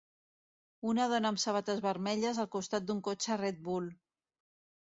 Una dona amb sabates vermelles al costat d'un cotxe Red Bull.